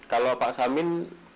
kalau pak samin